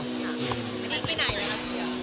แฟนไปไหนเลยครับ